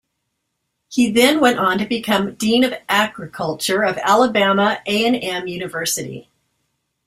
He then went on become Dean of Agriculture of Alabama A and M University.